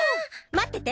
待ってて。